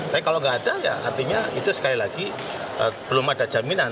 tapi kalau nggak ada ya artinya itu sekali lagi belum ada jaminan